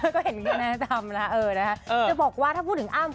ก็เห็นแบบนั้นถามแล้วเดี๋ยวบอกว่าถ้าพูดถึงอ้าม